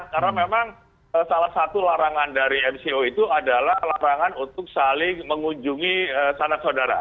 karena memang salah satu larangan dari mco itu adalah larangan untuk saling mengunjungi sana saudara